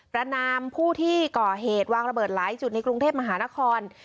ระนามผู้ที่ก่อเหตุวางระเบิดหลายจุดในกรุงเทพมหานคร